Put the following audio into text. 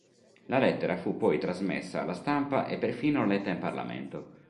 La lettera fu poi trasmessa alla stampa e perfino letta in Parlamento.